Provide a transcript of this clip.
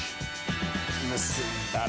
結んだら。